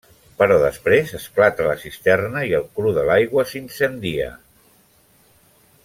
Però després esclata la cisterna i el cru de l'aigua s'incendia.